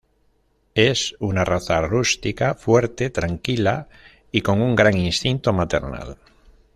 Es una raza rústica, fuerte, tranquila y con un gran instinto maternal.